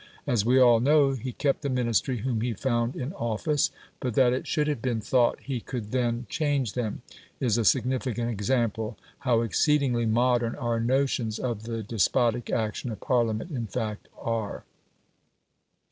As we all know, he kept the Ministry whom he found in office; but that it should have been thought he could then change them, is a significant example how exceedingly modern our notions of the despotic action of Parliament in fact are.